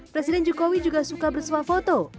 presiden jokowi juga suka bersuah foto